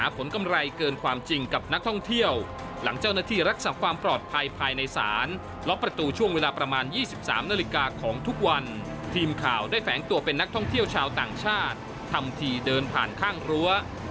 แก๊งเที่ยวชาวต่างชาติทำที่เดินผ่านข้างรั้ว